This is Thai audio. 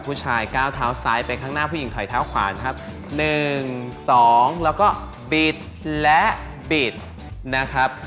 ผู้ชายก้าวเท้าซ้ายไปข้างหน้าผู้หญิงถอยเท้าขวานครับ๑๒แล้วก็บีดและบีดนะครับ